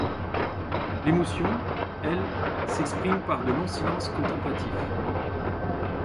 L'émotion, elle, s'exprime par de longs silences contemplatifs.